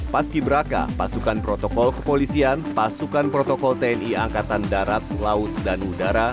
paski beraka pasukan protokol kepolisian pasukan protokol tni angkatan darat laut dan udara